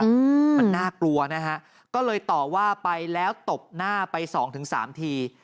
อืมมันน่ากลัวนะฮะก็เลยต่อว่าไปแล้วตบหน้าไปสองถึงสามที